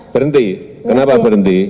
berhenti kenapa berhenti